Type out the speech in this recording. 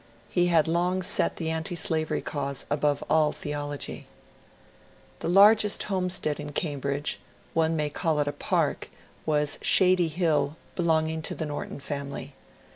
He had long set the antislavery cause above all theology. The largest homestead in Cambridge — one may call it a park — was Shady Hill," belonging to the Norton family.